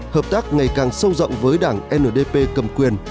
hợp tác ngày càng sâu rộng với đảng ndp cầm quyền